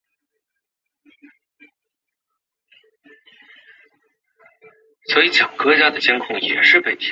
有栖川宫第六代当主。